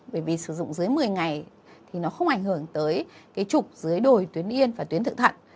bởi vì sử dụng dưới một mươi ngày thì nó không ảnh hưởng tới cái trục dưới đồi tuyến yên và tuyến thượng thận